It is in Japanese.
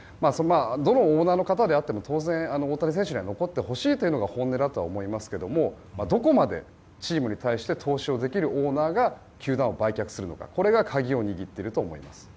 どのオーナーの方であっても当然、大谷選手には残ってほしいというのが本音だと思いますけどもどこまでチームに対して投資をできるオーナーが球団を売却するのかこれが鍵を握っていると思います。